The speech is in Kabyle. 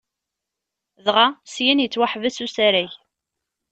Dɣa, syin yettwaḥbes usarag.